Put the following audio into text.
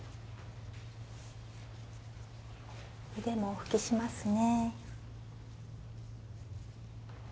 腕もお拭きしますね